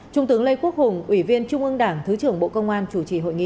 trung tướng lê quốc hùng ủy viên trung ương đảng thứ trưởng bộ công an chủ trì hội nghị